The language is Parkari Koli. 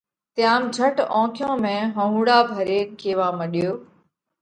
تيام جھٽ اونکيون ۾ هئهونڙا ڀرينَ ڪيوا مڏيو: